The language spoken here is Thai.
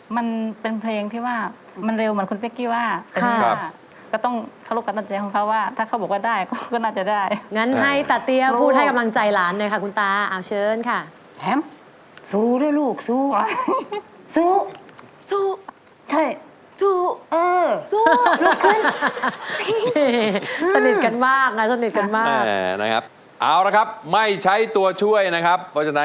มันเป็นเพรงที่ว่ามันเร็วเหมือนคุณเฟคกี้ว่า